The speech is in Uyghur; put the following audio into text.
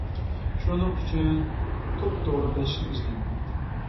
شۇنىڭ ئۈچۈن توپ-توغرا بەش يىل ئىزدەندىم.